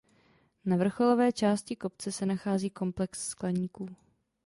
Na vrcholové části kopce se nachází komplex skleníků.